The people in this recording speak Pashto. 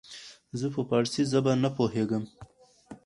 زه په پاړسي زبه نه پوهيږم